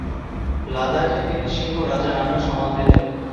লাদাখে তিনি সিংহ রাজা নামেও সমাদৃত।